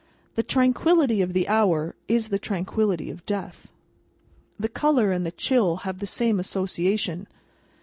The tranquillity of the hour is the tranquillity of Death. The colour and the chill have the same association.